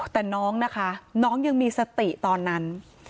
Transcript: แต่น้องนะคะน้องยังมีสติตอนนั้น